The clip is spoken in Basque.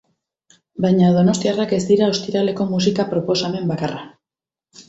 Baina donostiarrak ez dira ostiraleko musika proposamen bakarra.